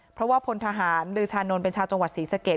เพราะว่าพณฑ์ทหารลือชานนด์เป็นชาวต่างครับจังหวัดศรีสเกต